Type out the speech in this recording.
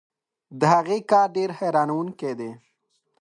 د هغې کار ډېر حیرانوونکی دی.